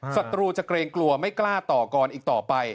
ศัตรูจะเกรงกลัวไม่กล้าต่อกรอีกต่อไป